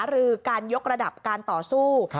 หรือการยกระดับการต่อสู้